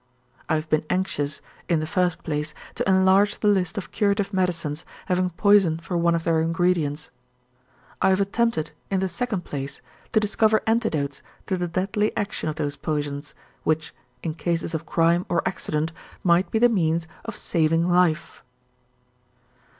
"'I have been anxious, in the first place, to enlarge the list of curative medicines having poison for one of their ingredients. I have attempted, in the second place, to discover antidotes to the deadly action of those poisons, which (in cases of crime or accident) might be the means of saving life.